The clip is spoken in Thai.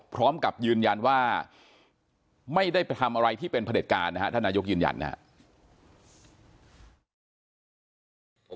พร้อมกับยืนยันว่าไม่ได้ไปทำอะไรที่เป็นผลิตการนะฮะท่านนายกยืนยันนะครับ